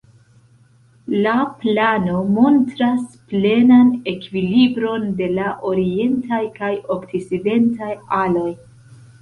La plano montras plenan ekvilibron de la orientaj kaj okcidentaj aloj.